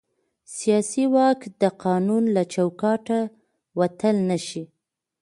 سیاسي واک د قانون له چوکاټه وتل نه شي